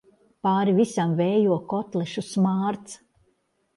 Pāri visam vējo kotlešu smārds.